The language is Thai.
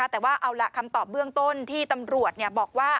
แต่ว่าเอาล่ะคำตอบเบื้องต้นที่ตำรวจบอกว่า